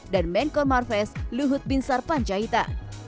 dan menko marves luhut binsar pancahita